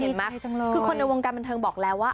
เห็นมั้ยคือคนในวงการบันเทิงบอกแล้วว่า